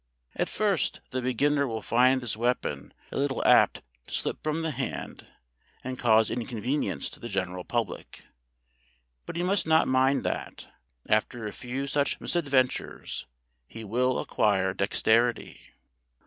At first the beginner will find this weapon a little apt to slip from the hand and cause inconvenience to the general public; but he must not mind that. After a few such misadventures he will acquire dexterity.